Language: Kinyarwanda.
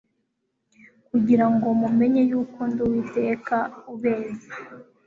kugira ngo mumenye yuko ndi Uwiteka ubeza